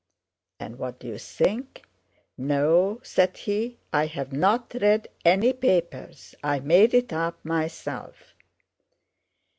And what do you think? 'No,' said he, 'I have not read any papers, I made it up myself.